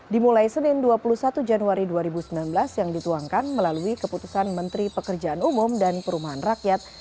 dimulai senin dua puluh satu januari dua ribu sembilan belas yang dituangkan melalui keputusan menteri pekerjaan umum dan perumahan rakyat